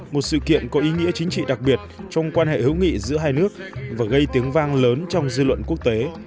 một sự kiện có ý nghĩa chính trị đặc biệt trong quan hệ hữu nghị giữa hai nước và gây tiếng vang lớn trong dư luận quốc tế